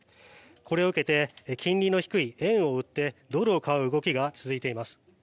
これを受けて金利の低い円を売ってドルを買う動きが続いています。